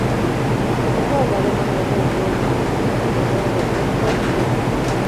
Se trata del área más grande de todos los distritos del condado de Oxfordshire.